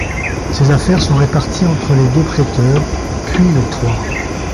Ces affaires sont réparties entre les deux préteurs, puis les trois.